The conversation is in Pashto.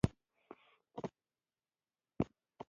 خو دوه نور انډيوالان يې رانه بېل کړل.